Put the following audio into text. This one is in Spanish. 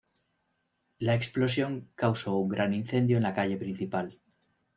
La explosión causó un gran incendio en la calle principal.